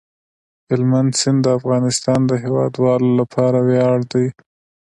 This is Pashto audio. هلمند سیند د افغانستان د هیوادوالو لپاره ویاړ دی.